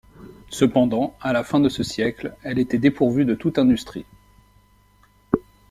Cependant, à la fin de ce siècle, elle était dépourvue de toute industrie.